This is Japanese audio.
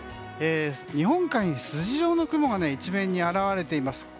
日本海に筋状の雲が一面に現れています。